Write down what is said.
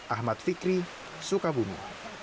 ahmad fikri sukabumi